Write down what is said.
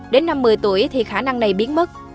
đến năm một mươi tuổi thì khả năng này biến mất